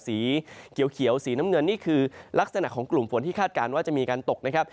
สีเขียวสีน้ำเงินนี่คือลักษณะของกลุ่มฝนที่คาดการณ์ว่าจะมีการตกนะครับ